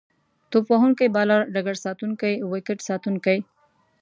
توپ وهونکی، بالر، ډګرساتونکی، ويکټ ساتونکی